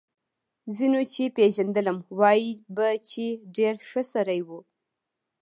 ځینو چې پېژندلم وايي به چې ډېر ښه سړی و